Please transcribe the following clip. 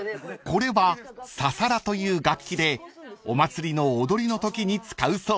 ［これはささらという楽器でお祭りの踊りのときに使うそうです］